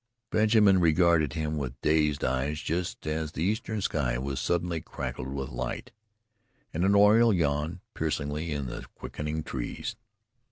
Benjamin regarded him with dazed eyes just as the eastern sky was suddenly cracked with light, and an oriole yawned piercingly in the quickening trees...